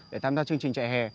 để tham gia chương trình chạy hè